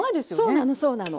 そうなのそうなの。